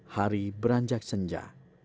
hari beranjak senja